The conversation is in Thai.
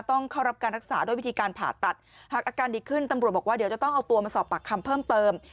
ต้องเข้ารับการรักษาด้วยวิธีการผ่าตัดหากอาการดีขึ้นตำรวจบอกว่าเดี๋ยวจะต้องเอาตัวมาสอบปากคำเพิ่มเติม